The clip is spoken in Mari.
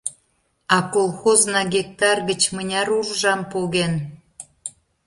— А колхозна гектар гыч мыняр уржам поген?